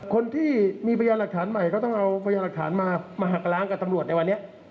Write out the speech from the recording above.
คนที่มีพยานหลักฐานใหม่ก็ต้องเอาพยานหลักฐานมามาหักล้างกับตำรวจในวันนี้